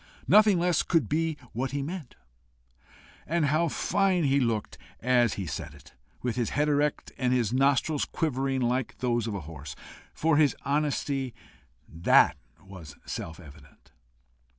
nothing less could be what he meant. And how fine he looked as he said it, with his head erect, and his nostrils quivering like those of a horse! For his honesty, that was self evident!